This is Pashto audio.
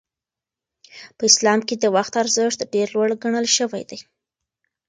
په اسلام کې د وخت ارزښت ډېر لوړ ګڼل شوی دی.